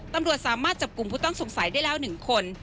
ตำรวจสามารถจับกลุ่มผู้ต้องสงสัยได้แล้ว๑คน